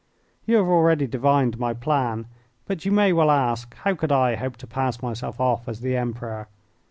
You have already divined my plan; but you may well ask how could I hope to pass myself off as the Emperor.